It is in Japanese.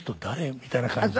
みたいな感じで。